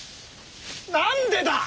何でだ！？